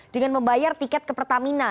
dengan membayar tiket ke pertamina